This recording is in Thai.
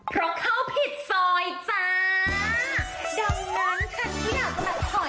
เพราะเข้าผิดซอยจ้าน